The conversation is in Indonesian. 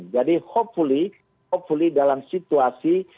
jadi semoga semoga dalam situasi